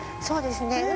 そうですね。